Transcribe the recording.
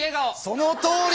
そのとおり！